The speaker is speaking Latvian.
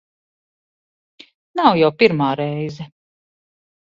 Nav jau pirmā reize.